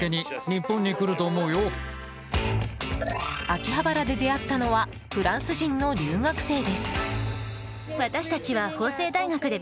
秋葉原で出会ったのはフランス人の留学生です。